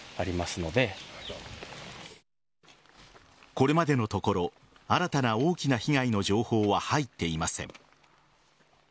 これまでのところ新たな大きな被害の情報は入っていません。